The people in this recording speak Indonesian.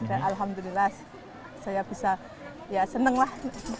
alhamdulillah saya bisa ya seneng lah